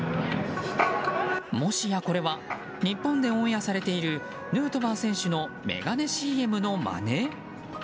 もしやこれは日本でオンエアされているヌートバー選手の眼鏡ＣＭのまね？